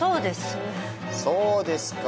そうです。